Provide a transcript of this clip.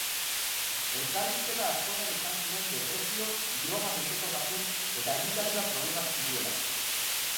Elkarrizketa askotan esan zuen depresio, droga-menpekotasun eta elikadura problemak zituela.